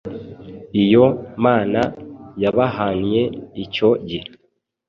Iyo Mana yabahannye icyo gihe